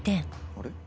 あれ？